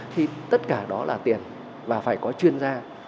thì tất cả đó là tiền và phải có chuyên gia